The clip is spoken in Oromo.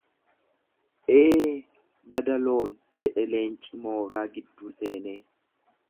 Ee! Bada loon jedhe leenci mooraa gidduu seenee.